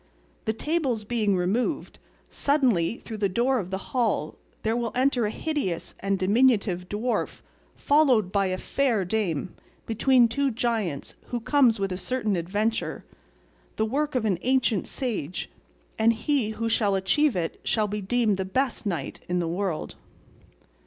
The tables being removed, suddenly through the door of the hall there will enter a hideous and diminutive dwarf followed by a fair dame, between two giants, who comes with a certain adventure, the work of an ancient sage; and he who shall achieve it shall be deemed the best knight in the world.